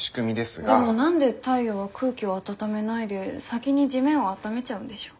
でも何で太陽は空気を温めないで先に地面を温めちゃうんでしょう？